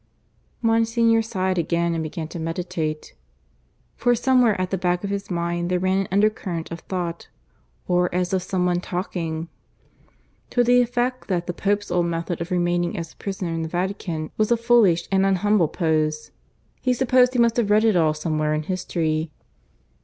Monsignor sighed again and began to meditate. For somewhere at the back of his mind there ran an undercurrent of thought, or as of some one talking, to the effect that the Pope's old method of remaining as a prisoner in the Vatican was a foolish and unhumble pose. (He supposed he must have read it all somewhere in history.)